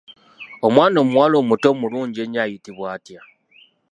Omwana omuwala omuto omulungi ennyo ayitibwa atya?